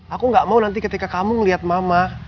aku gak mau nanti ketika kamu melihat mama